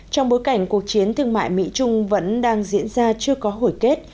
trong bối cảnh cuộc chiến thương mại mỹ trung vẫn đang diễn ra chưa có hồi kết